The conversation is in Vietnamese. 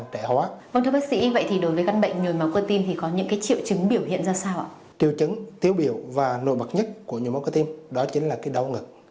triệu chứng tiêu biểu và nổi bật nhất của nhồi máu cơ tim đó chính là cái đau ngực